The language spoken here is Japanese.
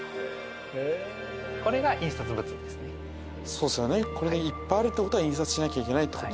そうですよねいっぱいあるってことは印刷しなきゃいけないってことだもんな。